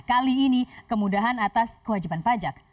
kali ini kemudahan atas kewajiban pajak